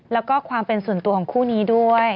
แล้วก็ความเป็นส่วนตัวของคู่นี้ด้วย